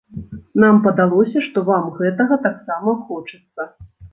Нам падалося, што вам гэтага таксама хочацца.